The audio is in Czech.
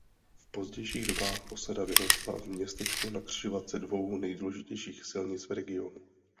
V pozdějších dobách osada vyrostla v městečko na křižovatce dvou nejdůležitějších silnic v regionu.